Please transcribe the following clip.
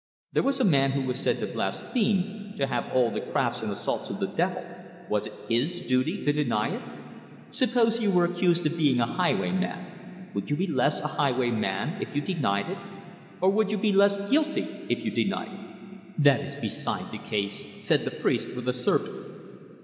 There was a Man who was said to blaspheme, to have all 'the crafts and assaults of the devil' was it His duty to deny it? Suppose you were accused of being a highwayman, would you be less a highwayman if you denied it? Or would you be less guilty if you denied it?" "That is beside the case," said the priest with acerbity.